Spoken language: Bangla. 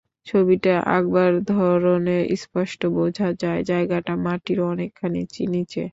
ছবিটার আঁকবার ধরনে স্পষ্ট বোঝা যায় জায়গাটা মাটির অনেকখানি নিচে।